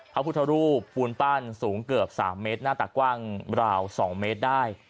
พระพุทธรูปปูนปั้นสูงเกือบ๓เมตรหน้าตากว้างราว๒เมตรได้